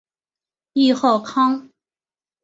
谥号康。